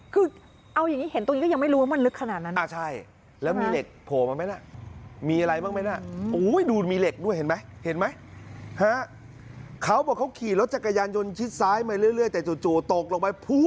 คือเอาอย่างนี้เห็นตรงนี้ก็ยังไม่รู้ว่ามันลึกขนาดนั้น